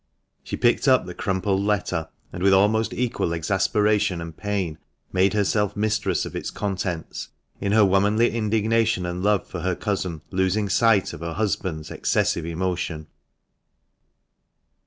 She picked up the crumpled letter, and with almost equal exasperation and pain made herself mistress of its contents, in her womanly indignation and love for her cousin losing sight of her husband's excessive emotion.